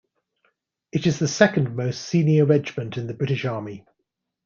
It is the second-most senior regiment in the British Army.